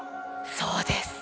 そうです。